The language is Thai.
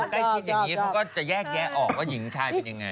ใกล้ชิดอย่างนี้เขาก็จะแยกแยะออกว่าหญิงชายเป็นยังไง